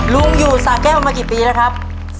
ลุงอยู่สาแก้วมากี่ปีแล้วครับ